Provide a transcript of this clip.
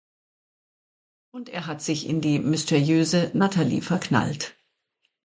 Und er hat sich in die mysteriöse Nathalie verknallt.